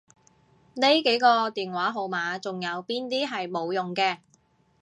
呢幾個電話號碼仲有邊啲係冇用嘅？